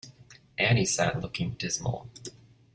Annie sat looking dismal.